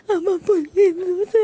apapun itu saya hanya ingin ketemu mereka